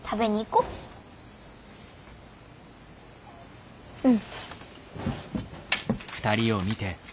うん。